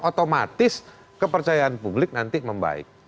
otomatis kepercayaan publik nanti membaik